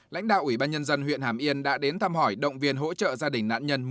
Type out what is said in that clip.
lãnh đạo ủy ban nhân dân huyện hàm yên đã đến thăm hỏi động viên hỗ trợ gia đình nạn nhân